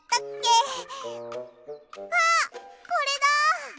あっこれだ！